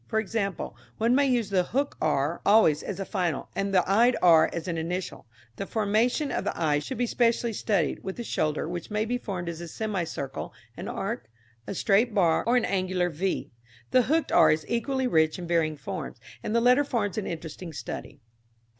For example, one may use the hook r always as a final, and the eyed r as an initial. The formation of the eye should be specially studied, with the shoulder, which may be formed as a semicircle, an arc, a straight bar or an angular v. The hooked r is equally rich in varying forms, and the letter forms an interesting study.